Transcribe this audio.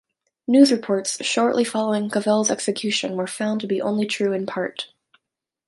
News reports shortly following Cavell's execution were found to be only true in part.